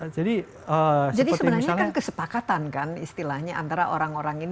jadi sebenarnya kan kesepakatan kan istilahnya antara orang orang ini